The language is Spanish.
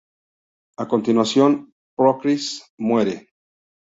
A continuación, Procris muere.